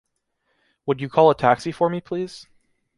Would you call a taxi for me, please?